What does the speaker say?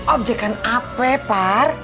objekan apa pak